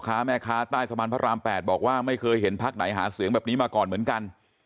ค้าแม่ค้าใต้สะพานพระราม๘บอกว่าไม่เคยเห็นพักไหนหาเสียงแบบนี้มาก่อนเหมือนกัน